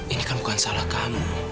ini kan bukan salah kamu